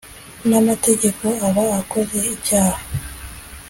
n amategeko aba akoze icyaha